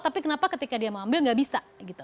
tapi kenapa ketika dia mau ambil nggak bisa gitu